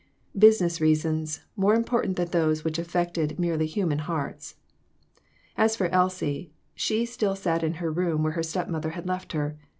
Business reasons, more im portant than those which affected merely human t hearts. As for Elsie, she still sat in her room where her step mother had left her.